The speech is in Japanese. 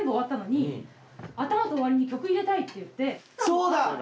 そうだ！